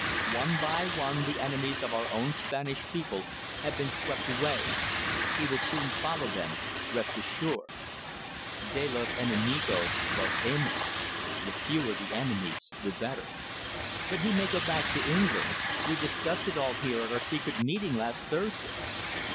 "One by one the enemies of our own Spanish people have been swept away. He will very soon follow them rest assured. De los enemigos los menes the fewer enemies the better." "But he may go back to England. We discussed it all here at our secret meeting last Thursday."